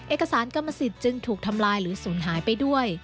เอกสารกรรมสิทธิ์จึงถูกทำลายหรือศูนย์หายไปด้วย